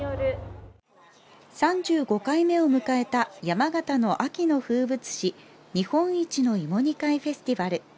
３５回目を迎えた山形の秋の風物詩、日本一の芋煮会フェスティバル。